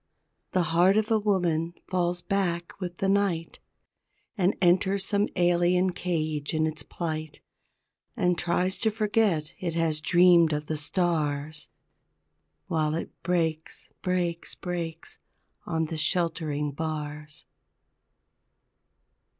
The heart of a woman falls back with the night, And enters some alien cage in its plight, And tries to forget it has dreamed of the stars While it breaks, breaks, breaks on the sheltering bars.